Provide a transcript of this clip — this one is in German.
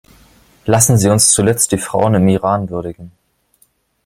Lassen Sie uns zuletzt die Frauen im Iran würdigen.